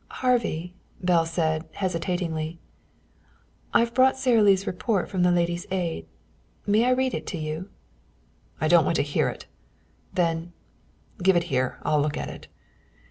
"Harvey," Belle said hesitatingly, "I've brought Sara Lee's report from the Ladies' Aid. May I read it to you?" "I don't want to hear it." Then: "Give it here. I'll look at it."